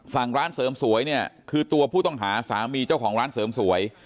ร้านเสริมสวยเนี่ยคือตัวผู้ต้องหาสามีเจ้าของร้านเสริมสวย